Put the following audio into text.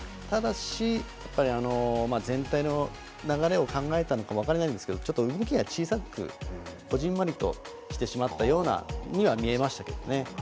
ただし全体の流れを考えたのか分からないんですけどちょっと動きが小さく小ぢんまりとしてしまったようには見えましたけどね。